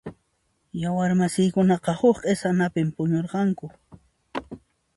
Yawar masiykunaqa huk q'isanapi puñurqanku.